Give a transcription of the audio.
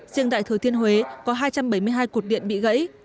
riêng tại thứ thiên huế có hai trăm bảy mươi hai cuộc điện bị gãy